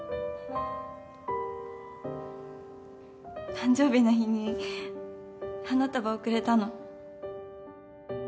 誕生日の日に花束をくれたの。